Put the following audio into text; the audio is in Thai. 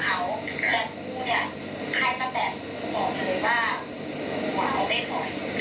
แต่กูเนี่ยใครตั้งแต่กูบอกเธอเลยว่าว้าวไม่สน